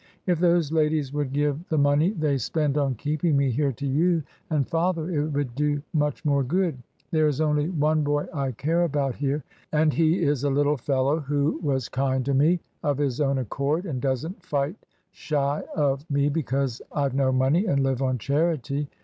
If those ladies would give the money they spend on keeping me here to you and father it would do much more good. There is only one boy I care about here, and he is a little fellow who was kind to me of his own accord, and doesn't fight shy of me because I've no money and live on charity.